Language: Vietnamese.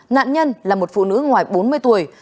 nạn nhân là một phụ nữ ngoài bốn mươi tuổi